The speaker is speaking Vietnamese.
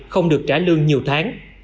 không được trả lương nhiều tháng